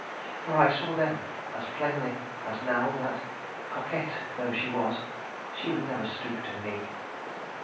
For I saw then as plainly as now that, coquette though she was, she would never stoop to me.